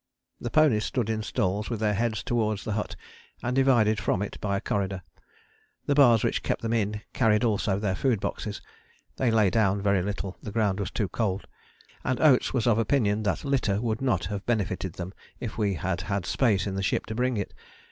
The ponies stood in stalls with their heads towards the hut and divided from it by a corridor; the bars which kept them in carried also their food boxes. They lay down very little, the ground was too cold, and Oates was of opinion that litter would not have benefited them if we had had space in the ship to bring it.